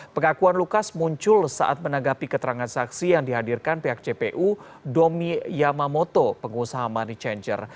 pengakuan lukas muncul saat menanggapi keterangan saksi yang dihadirkan pihak jpu domi yamamoto pengusaha money changer